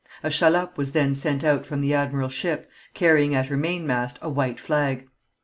A shallop was then sent out from the admiral's ship, carrying at her mainmast a white flag.